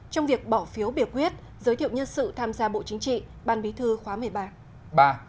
trong việc bỏ phiếu biểu quyết giới thiệu nhân sự tham gia bộ chính trị ban bí thư khóa một mươi ba